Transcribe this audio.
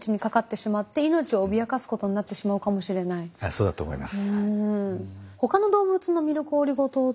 そうだと思います。